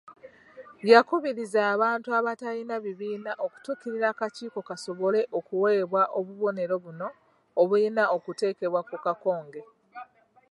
Yakubirizza abantu abatalina bibiina okutuukirira akakiiko kasobole okuweebwa obubonero buno obulina okuteekebwa ku kakonge.